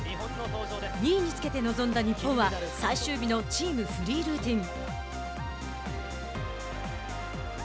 ２位につけて臨んだ日本は最終日のチームフリールーティン。